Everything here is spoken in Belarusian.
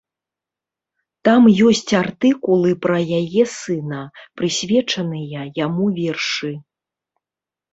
Там ёсць артыкул і пра яе сына, прысвечаныя яму вершы.